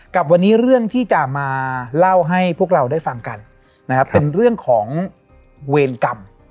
กับวันนี้เรื่องที่จะมาเล่าให้พวกเราได้ฟังกันนะครับเป็นเรื่องของเวรกรรม